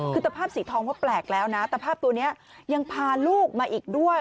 คือตะภาพสีทองว่าแปลกแล้วนะตะภาพตัวนี้ยังพาลูกมาอีกด้วย